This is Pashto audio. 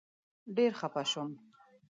ډېر خپه شوم.